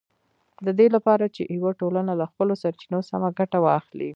د دې لپاره چې یوه ټولنه له خپلو سرچینو سمه ګټه واخلي